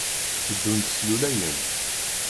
Teddunt slulayent.